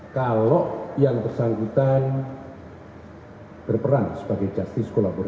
kalau yang bersangkutan berperan sebagai jasis kolaborator